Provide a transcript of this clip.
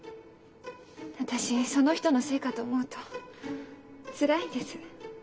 私その人のせいかと思うとつらいんです。